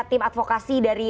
tim advokasi dari